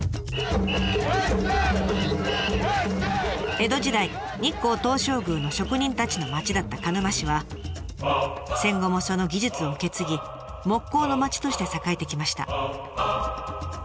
江戸時代日光東照宮の職人たちの町だった鹿沼市は戦後もその技術を受け継ぎ木工の町として栄えてきました。